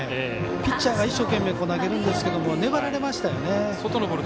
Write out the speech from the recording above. ピッチャーが一生懸命投げるんですけども粘られましたよね。